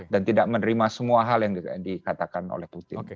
dan tidak menerima semua hal yang dikatakan oleh putin